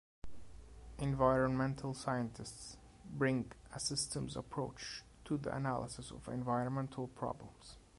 Environmental scientists bring a systems approach to the analysis of environmental problems.